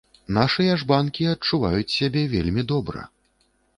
Нашыя ж банкі адчуваюць сябе вельмі добра.